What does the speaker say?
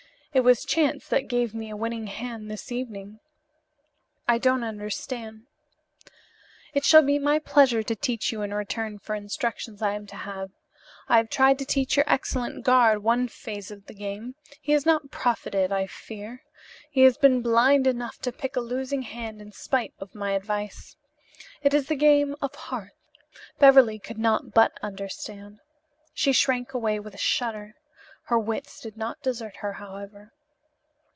It was chance that gave me a winning hand this evening." "I don't understand." "It shall be my pleasure to teach you in return for instructions I am to have. I have tried to teach your excellent guard one phase of the game. He has not profited, I fear. He has been blind enough to pick a losing hand in spite of my advice. It is the game of hearts." Beverly could not but understand. She shrank away with a shudder. Her wits did not desert her, however.